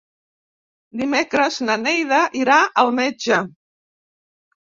Dimecres na Neida irà al metge.